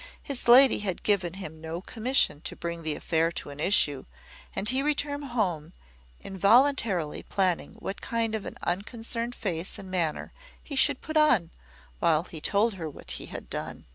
His lady had given him no commission to bring the affair to an issue; and he returned home, involuntarily planning what kind of an unconcerned face and manner he should put on, while he told her what he had done.